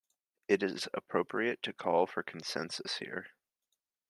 It is appropriate to call for consensus here.